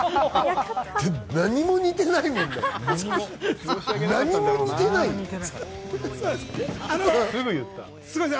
何も似てないもんね。